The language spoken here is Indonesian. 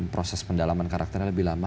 proses pendalaman karakternya lebih lama